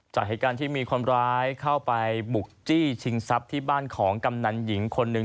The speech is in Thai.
จากเหตุการณ์ที่มีคนร้ายเข้าไปบุกจี้ชิงทรัพย์ที่บ้านของกำนันหญิงคนหนึ่ง